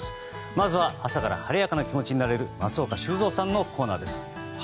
まずは朝から晴れやかな気持ちになれる松岡修造さんのコーナーです。